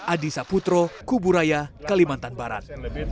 adisa putro kuburaya kalimantan barat